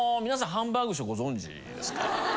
ハンバーグ師匠ご存じですか？